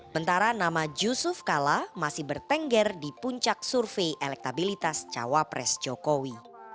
bentara nama yusuf kala masih bertengger di puncak survei elektabilitas cawapres jokowi